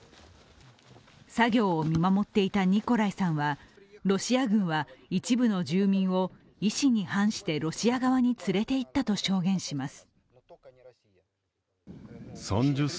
作業を見守っていたニコライさんはロシア軍は一部の住民を意思に反してロシア側に連れていったと証言します。